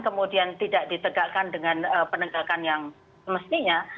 kemudian tidak ditegakkan dengan penegakan yang semestinya